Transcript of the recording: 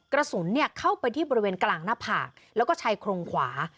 กระสุนเข้าไปที่บริเวณกลางหน้าผากแล้วก็ชายโครงขวา